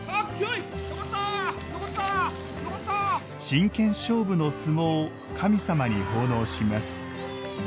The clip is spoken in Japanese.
真剣勝負の相撲を神様に奉納します。